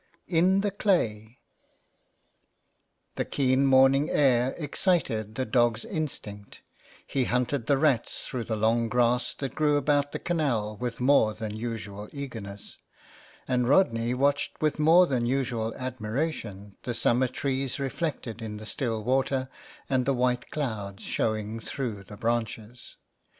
IN THE CLAY. The keen morning air excited the dog's instinct ; he hunted the rats through the long grass that grew about the canal with more than usual eagerness, and Rodney watched with more than usual admiration the summer trees reflected in the still water and the white clouds showing through the branches.